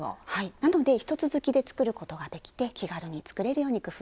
なので一続きで作ることができて気軽に作れるように工夫しています。